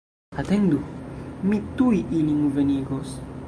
Atendu, mi tuj ilin venigos!